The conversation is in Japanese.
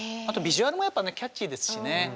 あとビジュアルもキャッチーですしね。